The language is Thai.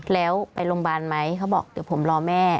แล้วไปโรงพยาบาลไหมเขาบอกเดี๋ยวผมรอแม่